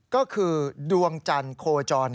ก็คือดวงจันทร์โคจร